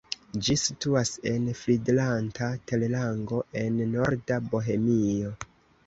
Ĝi situas en Fridlanta terlango en norda Bohemio.